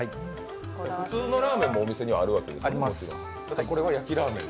普通のラーメンもお店にはあるわけですが、これは焼ラーメン。